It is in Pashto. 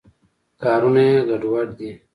کارونه یې ګډوډ دي.